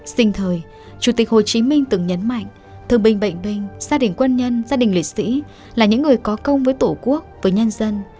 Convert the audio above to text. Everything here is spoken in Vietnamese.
sinh thời chủ tịch hồ chí minh từng nhấn mạnh thương binh bệnh binh gia đình quân nhân gia đình liệt sĩ là những người có công với tổ quốc với nhân dân